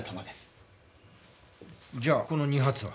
じゃあこの２発は？